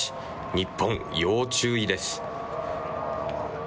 日本、要注意です。